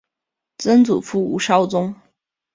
曾祖父吴绍宗。